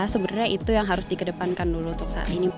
sebenarnya itu yang harus dikedepankan dulu untuk saat ini